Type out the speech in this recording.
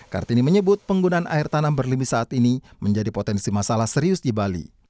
kartini menyebut penggunaan air tanam berlimi saat ini menjadi potensi masalah serius di bali